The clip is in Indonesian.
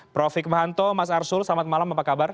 prof hikmahanto mas arsul selamat malam apa kabar